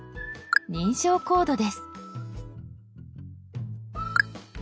認証コードです。